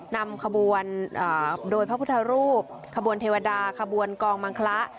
นำขบวนโดยพระพุทธรูปขบวนเทวดาขบวนกองมังคละ